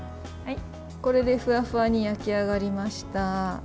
これでふわふわに焼き上がりました。